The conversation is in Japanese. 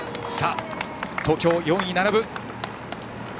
東京、４位に並ぶ。